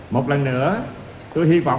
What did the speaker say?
một lần nữa tôi hy vọng